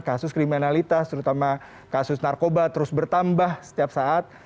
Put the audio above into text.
kasus kriminalitas terutama kasus narkoba terus bertambah setiap saat